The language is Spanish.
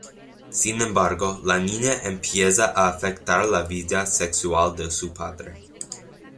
Sin embargo, la niña empieza a afectar la vida sexual de su padre.